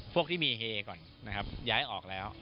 พวกที่มีเฮก่อนนะครับย้ายออกแล้ว